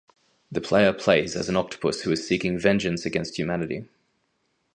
The player plays as an octopus who is seeking vengeance against humanity.